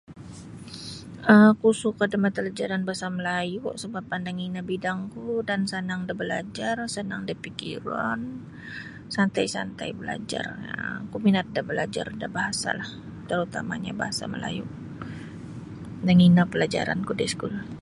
Oku sukan da mata palajaran Bahasa Malayu sabab andang ino bidangku dan sanang da balajar sanang da pikiron santai-santai balajar um oku minat da balajar da bahasa lah terutamanya bahasa melayu andang ino palajaran ku da iskul.